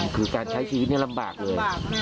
คือการใช้ชีวิตนี่ลำบากเลย